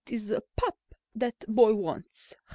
"So it's a pup the boy wants.